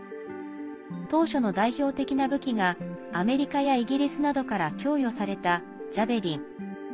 当初の代表的な武器がアメリカやイギリスなどから供与された「ジャベリン」。